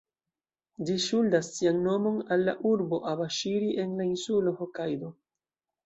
Ĝi ŝuldas sian nomon al la urbo Abaŝiri en la insulo Hokajdo.